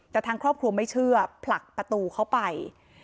แต่ทางครอบครัวไม่เชื่อผลักประตูเข้าไป